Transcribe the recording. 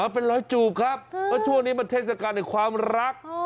เป็นรอยจูบครับเพราะช่วงนี้มันเทศกาลในความรัก